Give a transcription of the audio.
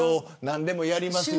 何でもやりますよ。